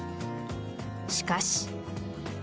しかし。